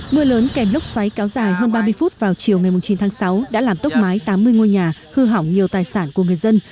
mưa lớn kèm lốc xoáy kéo dài hơn ba mươi phút vào chiều ngày chín tháng sáu đã làm tốc mái tám mươi ngôi nhà hư hỏng nhiều tài sản của người dân